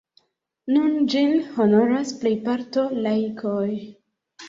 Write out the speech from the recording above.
Nun ĝin honoras plejparto laikoj.